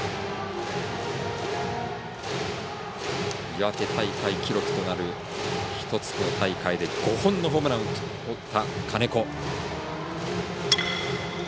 岩手大会記録となる１つの大会で５本のホームランを打った金子。